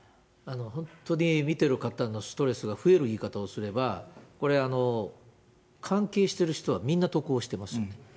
本当に見てる方のストレスが増える言い方をすれば、これ、関係している人は、みんな得をしてます。